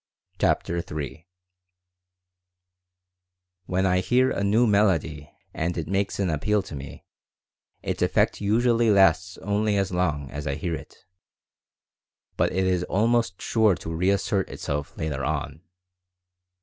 CHAPTER III WHEN I hear a new melody and it makes an appeal to me its effect usually lasts only as long as I hear it, but it is almost sure to reassert itself later on.